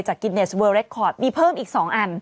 กินเนสเวอร์เรคคอร์ดมีเพิ่มอีก๒อัน